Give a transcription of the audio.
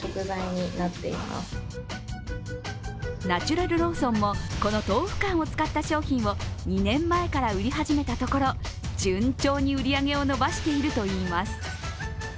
ナチュラルローソンも、この豆腐干を使った商品を２年前から売り始めたところ順調に売り上げを伸ばしているといいます。